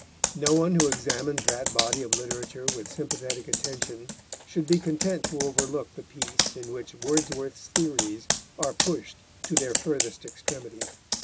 No one who examines that body of literature with sympathetic attention should be content to overlook the piece in which Wordsworth's theories are pushed to their furthest extremity.